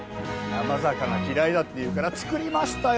生魚嫌いだっていうから作りましたよ